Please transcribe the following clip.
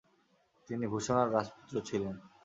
তিনি ভূষণার রাজপুত্র ছিলেন।